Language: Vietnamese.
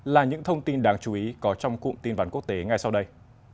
là những thông tin đáng chú ý có trong cụm tin vắn quốc tế ngay sau đây